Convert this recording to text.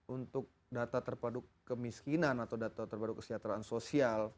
untuk data terpadu kemiskinan atau data terbaru kesejahteraan sosial